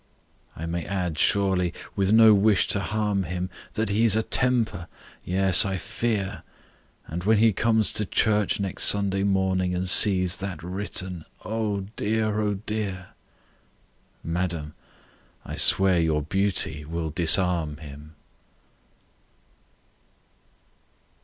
"I may add, surely,—with no wish to harm him— That he's a temper—yes, I fear! And when he comes to church next Sunday morning, And sees that written ... O dear, O dear!" —"Madam, I swear your beauty will disarm him!"